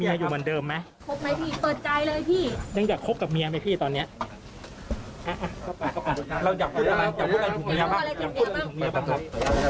อยากพูดอะไรถึงเมียบ้างครับ